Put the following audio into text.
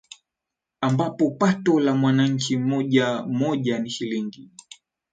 ambapo pato la mwananchi mmoja mmoja ni Shilingi